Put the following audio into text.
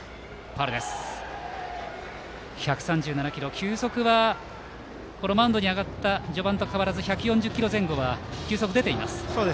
１３７キロと球速はマウンドに上がった序盤と変わらず１４０キロ前後は出ています。